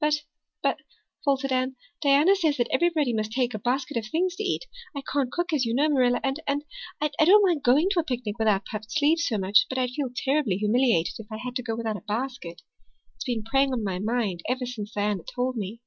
"But but," faltered Anne, "Diana says that everybody must take a basket of things to eat. I can't cook, as you know, Marilla, and and I don't mind going to a picnic without puffed sleeves so much, but I'd feel terribly humiliated if I had to go without a basket. It's been preying on my mind ever since Diana told me."